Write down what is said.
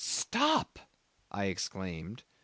." "Stop!" I exclaimed.